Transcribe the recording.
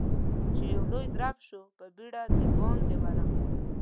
چې يو لوی درب شو، په بيړه د باندې ورغلم.